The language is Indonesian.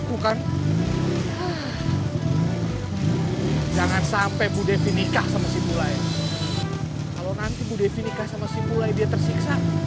kalau kayak gini sih